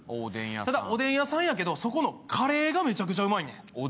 ただ、おでん屋さんやけど、そこのカレーがめちゃめちゃうまいねん。